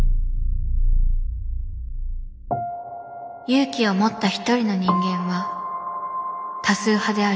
勇気を持った一人の人間は多数派である。